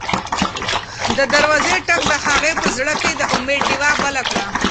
د دروازې ټک د هغې په زړه کې د امید ډېوه بله کړه.